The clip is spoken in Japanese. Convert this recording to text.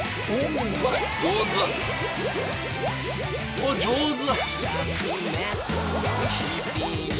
おっ上手！